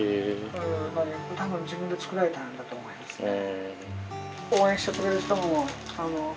多分自分で作られたんだと思いますね。